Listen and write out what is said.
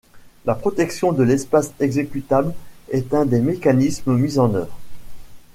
La protection de l'espace executable est un des mécanismes mis en œuvre.